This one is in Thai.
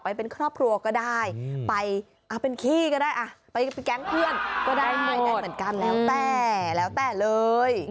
ไปเป็นครอบครัวก็ได้ไปเป็นขี้ก็ได้ไปแก๊งเพื่อนก็ได้ไม่ได้เหมือนกันแล้วแต่แล้วแต่เลย